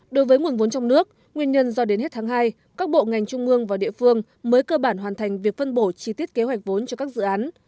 đối với nguồn vốn trong nước nguyên nhân do đến hết tháng hai các bộ ngành trung ương và địa phương mới cơ bản hoàn thành việc phân bổ chi tiết kế hoạch vốn cho các dự án